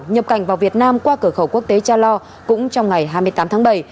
nhập cảnh vào việt nam qua cửa khẩu quốc tế cha lo cũng trong ngày hai mươi tám tháng bảy